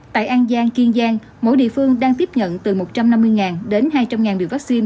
tại an giang kiên giang mỗi địa phương đang tiếp nhận từ một trăm năm mươi đến hai trăm linh liều vaccine